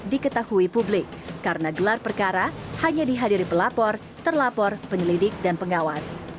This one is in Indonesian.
diketahui publik karena gelar perkara hanya dihadiri pelapor terlapor penyelidik dan pengawas